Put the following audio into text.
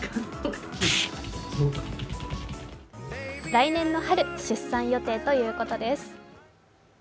来年の春、出産予定ということです。